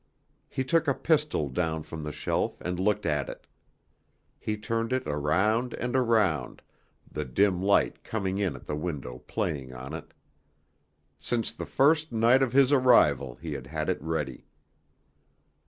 He took a pistol down from the shelf and looked at it. He turned it around and around, the dim light coming in at the window playing on it. Since the first night of his arrival he had had it ready.